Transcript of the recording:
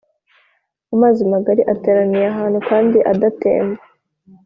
Amazi magari ateraniye ahantu kandi adatemba